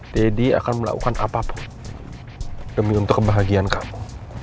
daddy akan melakukan apapun demi untuk kebahagiaan kamu